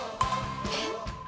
えっ？